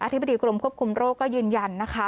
ธิบดีกรมควบคุมโรคก็ยืนยันนะคะ